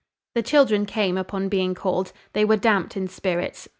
The children came upon being called. They were damped in spirits.